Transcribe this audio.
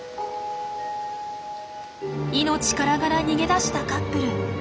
命からがら逃げ出したカップル。